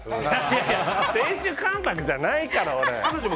いやいや亭主関白じゃないから、俺。